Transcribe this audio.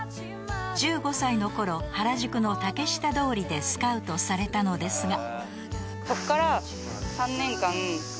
［１５歳の頃原宿の竹下通りでスカウトされたのですが］